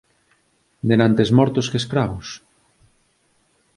Denantes mortos que escravos